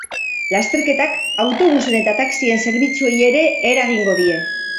Lasterketak autobusen eta taxien zerbitzuei ere eragingo die.